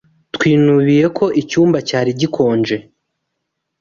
Twinubiye ko icyumba cyari gikonje.